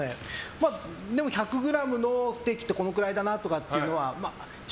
まあ、１００ｇのステーキってこのくらいだなっていうのは。